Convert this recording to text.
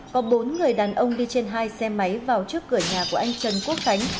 có bốn người đàn ông đi trên hai xe máy vào trước cửa nhà của anh trần quốc khánh